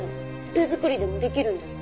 手作りでもできるんですか？